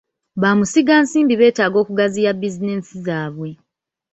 Bamusigansimbi beetaaga okugaziya bizinensi zaabwe.